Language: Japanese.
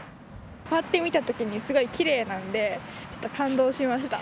ぱっと見たときにすごいきれいなんでちょっと感動しました。